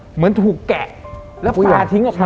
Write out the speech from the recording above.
เหมือนถูกแกะแล้วพาทิ้งออกมา